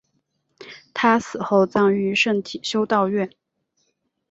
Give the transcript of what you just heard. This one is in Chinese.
她死后葬于圣体修道院。